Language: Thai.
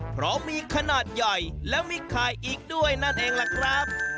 เพราะมีขนาดใหญ่แล้วมีไข่อีกด้วยนั่นเองล่ะครับ